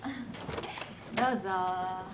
どうぞ。